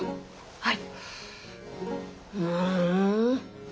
はい。